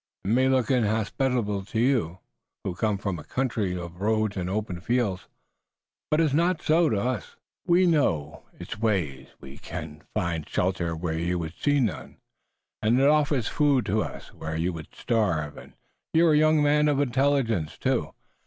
It may look inhospitable to you who come from a country of roads and open fields, but it's not so to us. We know its ways. We can find shelter where you would see none, and it offers food to us, where you would starve, and you're a young man of intelligence too."